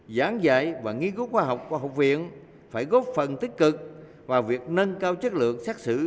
giảng dạy và nghiên cứu khoa học của học viện phải góp phần tích cực vào việc nâng cao chất lượng xác xử